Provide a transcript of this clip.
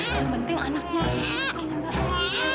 yang penting anaknya harus nyantiknya mbak